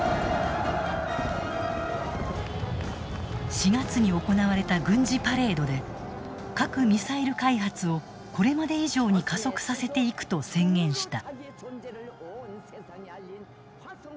４月に行われた軍事パレードで核・ミサイル開発をこれまで以上に加速させていくと宣言した。